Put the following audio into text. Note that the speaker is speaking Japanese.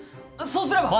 そうすれば！